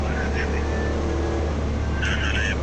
سازمانونو به خپل سفارتونه پرانیستي وه.